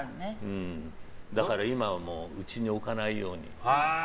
うん、だから今はもううちに置かないように。